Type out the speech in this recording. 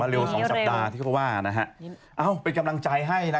ไม่ใช่ลูกตาไม่ใช่อะไรอย่างนี้นะ